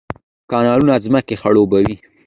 کانالونه ځمکې خړوبوي